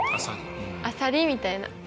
あさりみたいな感じ。